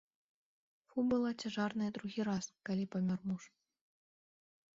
Фу была цяжарная другі раз, калі памёр муж.